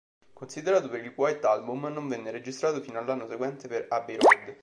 Considerato per il "White Album", non venne registrato fino all'anno seguente, per "Abbey Road".